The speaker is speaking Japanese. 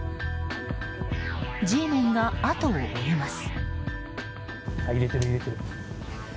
Ｇメンが、あとを追います。